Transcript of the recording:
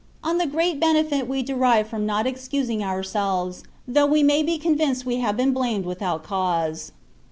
ON THE GREAT BENEFIT WE DERIVE FROM NOT EXCUSING OUK SELVES, THOUGH WE MAT BE CONVINCED WE HAVE BEEN BLAMED WITHOUT CAUSE.